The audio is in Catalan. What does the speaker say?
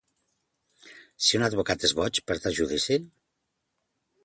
Si un advocat és boig, perd el judici?